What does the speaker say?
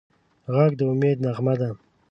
غږ د امید نغمه ده